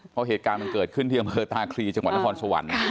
เพราะเหตุการณ์มันเกิดขึ้นที่อำเภอตาคลีจังหวัดนครสวรรค์